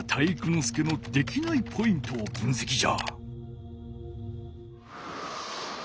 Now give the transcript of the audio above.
介のできないポイントを分せきじゃ。